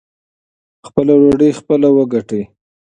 خپله ډوډۍ خپله وګټئ.